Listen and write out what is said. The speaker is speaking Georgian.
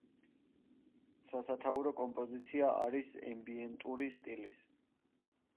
სასათაურო კომპოზიცია არის ემბიენტური სტილის.